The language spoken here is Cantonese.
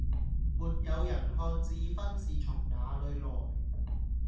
沒有人看智勳是從那裏來